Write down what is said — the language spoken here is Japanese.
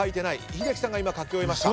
英樹さんが今書き終えました。